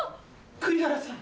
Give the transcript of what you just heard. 栗原さん。